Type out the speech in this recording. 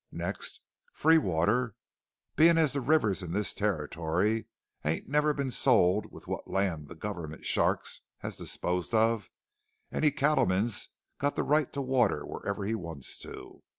Next free water! Being as the rivers in this Territory ain't never been sold with what land the government sharks has disposed of, any cattleman's got the right to water wherever he wants to.